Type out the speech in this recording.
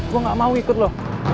gua gak mau ikut lo